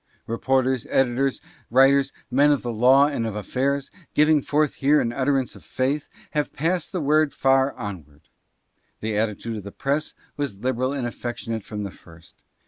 Re porters, editors, writers, men of the law and of affairs, giving forth here an utterance of faith, have passed the word far on ward. The attitude of the press was liberal and affectionate from the first.